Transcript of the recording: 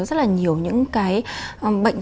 rất là nhiều những cái bệnh